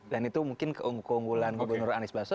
dan itu mungkin keunggulan gubernur anies baso